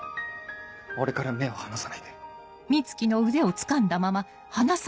俺から目を離さないで。